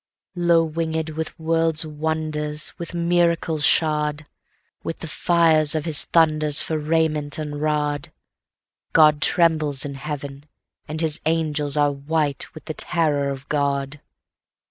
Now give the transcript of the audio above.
Lo, wing'd with world's wonders, With miracles shod, With the fires of his thundersFor raiment and rod, God trembles in heaven, and his angels are white with the terror of God.